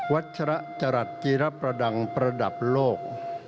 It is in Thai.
วัชฌาจรัตน์จีรประดังประดับโลก